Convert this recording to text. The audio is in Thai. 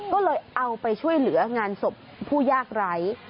ก็เลยเอาไปช่วยเหลืองานศพผู้ยากไร้